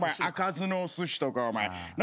赤酢のおすしとかお前。